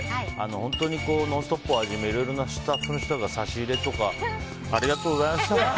本当に「ノンストップ！」をはじめいろいろなスタッフの人が差し入れとかありがとうございました。